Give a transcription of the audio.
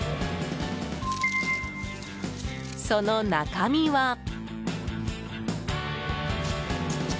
その中身は。